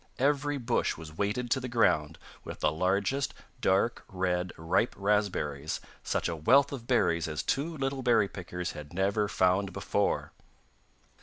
Every bush was weighted to the ground with the largest, dark red, ripe raspberries, such a wealth of berries as two little berry pickers had never found before!